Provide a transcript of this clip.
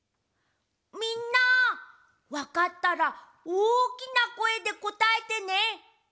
みんなわかったらおおきなこえでこたえてね！